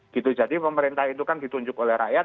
gitu jadi pemerintah itu kan ditunjuk oleh rakyat